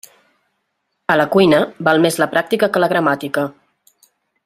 A la cuina, val més la pràctica que la gramàtica.